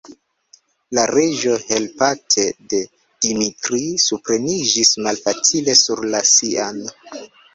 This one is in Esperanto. La Reĝo, helpate de Dimitri, supreniĝis malfacile sur la sian.